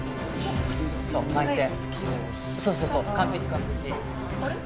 そうそうそう完璧完璧。